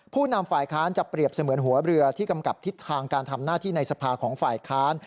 นำฝ่ายค้านจะเปรียบเสมือนหัวเรือที่กำกับทิศทางการทำหน้าที่ในสภาของฝ่ายค้าน